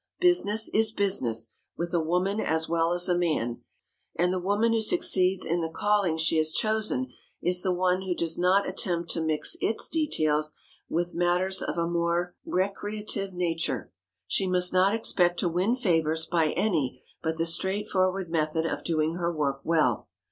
Business is business with a woman as well as a man, and the woman who succeeds in the calling she has chosen is the one who does not attempt to mix its details with matters of a more recreative nature. She must not expect to win favors by any but the straightforward method of doing her work well.